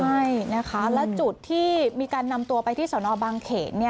ใช่นะคะและจุดที่มีการนำตัวไปที่สนบางเขน